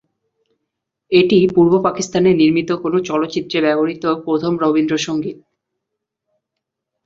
এটি পূর্ব পাকিস্তানে নির্মিত কোন চলচ্চিত্রে ব্যবহৃত প্রথম রবীন্দ্র সঙ্গীত।